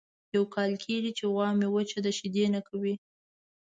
یو کال کېږي چې غوا مې وچه ده شیدې نه کوي.